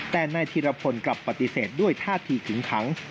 แต่นายธีรพลกลับปฏิเสธด้วยท่าทีขึงขัง